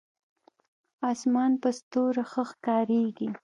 اسمان په ستورو ښه ښکارېږي.